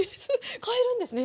変えるんですね